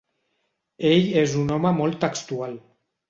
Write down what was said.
Ell és un home molt textual.